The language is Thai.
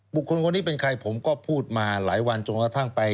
บุคคลคนนี้เป็นใครผมก็พูดมาหลายวันจนกระทั่งไป